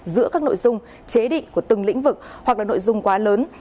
giữa các nội dung chế định của từng lĩnh vực hoặc là nội dung quá lớn